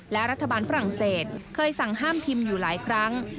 และรัฐบาลฝรั่งเศสเคยสั่งห้ามพิมพ์อยู่หลายครั้ง